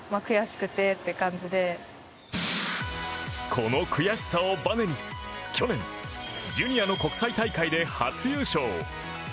この悔しさをばねに、去年ジュニアの国際大会で初優勝。